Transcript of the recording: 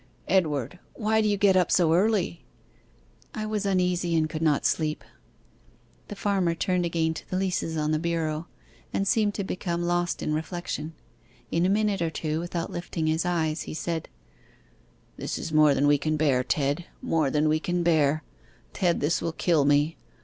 'Edward, why did you get up so early?' 'I was uneasy, and could not sleep.' The farmer turned again to the leases on the bureau, and seemed to become lost in reflection. In a minute or two, without lifting his eyes, he said 'This is more than we can bear, Ted more than we can bear! Ted, this will kill me.